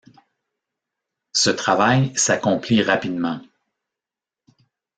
Ce travail s’accomplit rapidement